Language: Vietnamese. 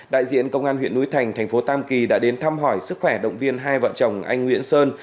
đại diện công an huyện núi thành thành phố tam kỳ đã đến thăm hỏi sức khỏe động viên hai vợ chồng anh nguyễn sơn